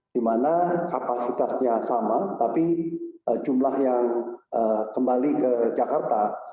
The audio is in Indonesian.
dimana kapasitasnya sama tapi jumlah yang kembali ke jakarta